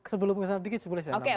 sebelum kesana sedikit